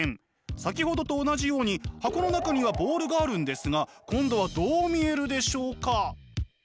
先ほどと同じように箱の中にはボールがあるんですが今度はどう見えるでしょうか？